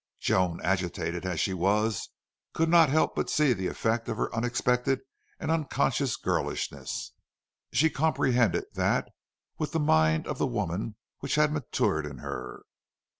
Joan, agitated as she was, could not help but see the effect of her unexpected and unconscious girlishness. She comprehended that with the mind of the woman which had matured in her.